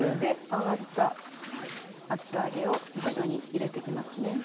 揚がった厚揚げを一緒に入れてきますね。